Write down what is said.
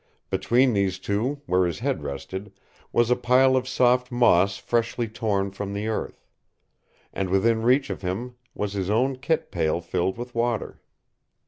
Between these two, where his head rested, was a pile of soft moss freshly torn from the earth. And within reach of him was his own kit pail filled with water.